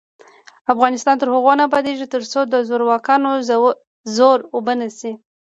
افغانستان تر هغو نه ابادیږي، ترڅو د زورواکانو زور اوبه نشي.